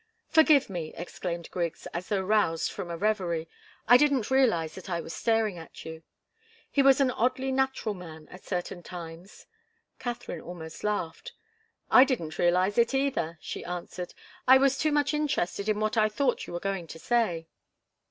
"Forgive me!" exclaimed Griggs, as though roused from a reverie. "I didn't realize that I was staring at you." He was an oddly natural man at certain times. Katharine almost laughed. "I didn't realize it either," she answered. "I was too much interested in what I thought you were going to say."